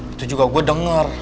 itu juga gue denger